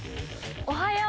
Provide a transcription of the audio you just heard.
「おはよう」。